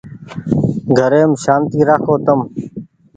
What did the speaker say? گھريم سآنتي رآکو تم ۔